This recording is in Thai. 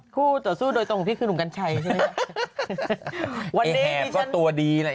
สู้ต่อสู้โดยตรงพี่คือนุ้มกัญชัยใช่มั้ยไอ้แหบก็ตัวดีแล้ว